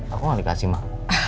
aku ngga dikasih mbak